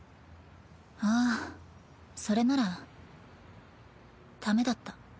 ああそれならダメだった。